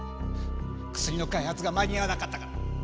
薬の開発が間に合わなかったから。